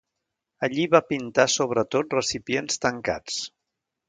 Allí va pintar sobretot recipients tancats.